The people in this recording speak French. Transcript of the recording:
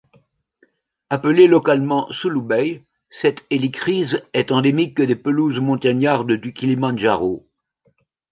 Appelée localement Sulubei, cette hélichryse est endémique des pelouses montagnardes du Kilimanjaro.